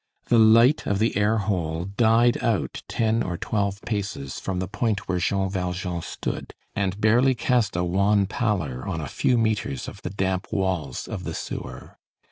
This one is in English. The light of the air hole died out ten or twelve paces from the point where Jean Valjean stood, and barely cast a wan pallor on a few metres of the damp walls of the sewer.